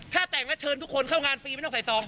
ถ้าแต่งแล้วเชิญทุกคนเข้างานฟรีไม่ต้องใส่ซอง